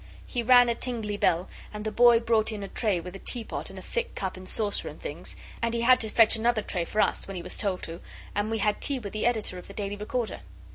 He rang a tingly bell, and the boy brought in a tray with a teapot and a thick cup and saucer and things, and he had to fetch another tray for us, when he was told to; and we had tea with the Editor of the Daily Recorder.